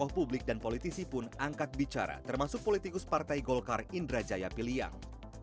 tokoh publik dan politisi pun angkat bicara termasuk politikus partai golkar indra jaya piliang